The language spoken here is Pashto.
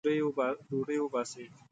ډوډۍ وباسئ